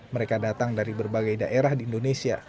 mereka datang dari berbagai daerah di indonesia